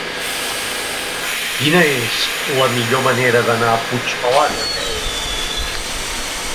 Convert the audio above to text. Quina és la millor manera d'anar a Puigpelat a peu?